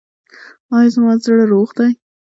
ایا زما زړه روغ دی؟